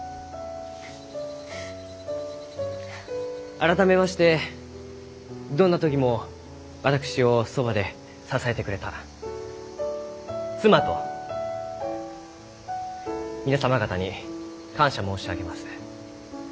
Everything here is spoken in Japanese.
改めましてどんな時も私をそばで支えてくれた妻と皆様方に感謝申し上げます。